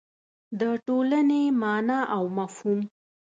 د ټولنې مانا او مفهوم